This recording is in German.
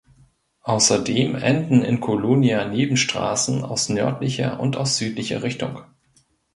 Außerdem enden in Kolonia Nebenstraßen aus nördlicher und aus südlicher Richtung.